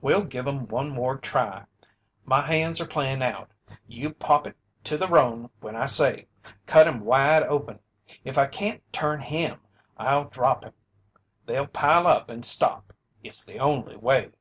"We'll give 'em one more try. My hands are playin' out. You pop it to the roan when I say. Cut him wide open! If I can't turn him, I'll drop him. They'll pile up and stop. It's the only way."